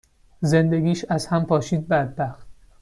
زندگیش از هم پاشید بدبخت.